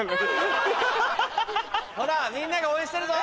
ほらみんなが応援してるぞ。